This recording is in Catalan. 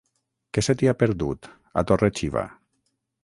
Què se t'hi ha perdut, a Torre-xiva?